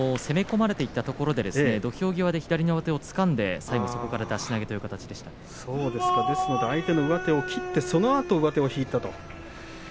攻め込まれていたところで土俵際、左の上手をつかんでそこから相手の上手を切ってそのあと上手を引いたと。